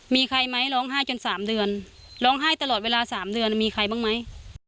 มีใครไหมร้องไห้จน๓เดือนร้องไห้ตลอดเวลา๓เดือนมีใครบ้างไหม